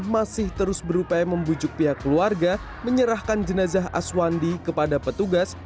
masih terus berupaya membujuk pihak keluarga menyerahkan jenazah aswandi kepada petugas